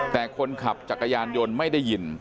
แต่คนขับจักรยานยนต์ไม่ได้ยิน